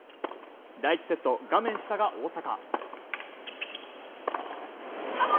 第１セット、画面下が大坂。